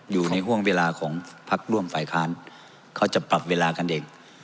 อยู่ในห่วงเวลาของพักร่วมฝ่ายค้านเขาจะปรับเวลากันเอง